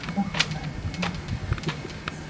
上呼吸道感染